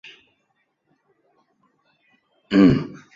诺盖语是一个俄罗斯西南部的突厥语言。